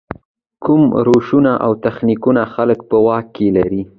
کوم روشونه او تخنیکونه خلک په واک کې لري.